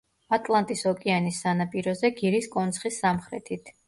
ატლანტის ოკეანის სანაპიროზე, გირის კონცხის სამხრეთით.